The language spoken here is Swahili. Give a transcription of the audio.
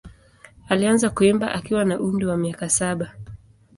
Alianza kuimba akiwa na umri wa miaka saba.